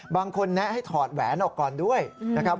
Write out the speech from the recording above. แคนแนะให้ถอดแหวนออกก่อนด้วยนะครับ